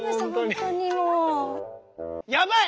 やばい！